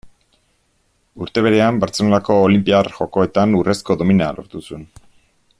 Urte berean, Bartzelonako Olinpiar Jokoetan, urrezko domina lortu zuen.